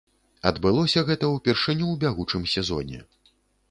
Адбылося гэта ўпершыню ў бягучым сезоне.